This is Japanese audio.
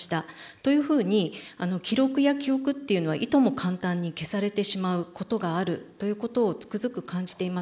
というふうに記録や記憶っていうのはいとも簡単に消されてしまうことがあるということをつくづく感じています。